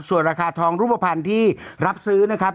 ส่วนราคาทองรูปภัณฑ์ที่รับซื้อนะครับ